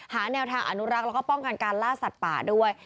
หาแนวทางอนุรักษ์แล้วก็ป้องกันการล่าสัตว์ป่าด้วย